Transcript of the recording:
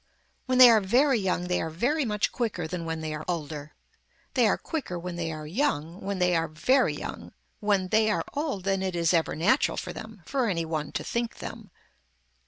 When they are very young they are very much quicker than when they are older. They are quicker when they are young, when they are very young, when they are old than it is ever natural for them, for any one to think them.